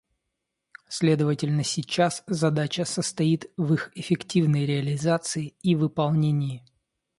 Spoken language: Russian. Следовательно, сейчас задача состоит в их эффективной реализации и выполнении.